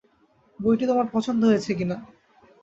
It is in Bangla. বইটা তোমার পছন্দ হয়েছে কিনা?